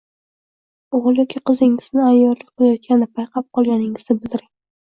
O‘g‘il yoki qizingizning ayyorlik qilayotganini payqab qolganingizni bildiring.